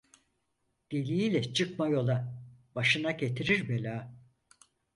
Deli ile çıkma yola, başına getirir bela.